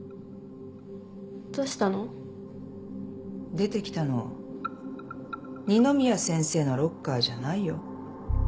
出てきたの二宮先生のロッカーじゃないよ。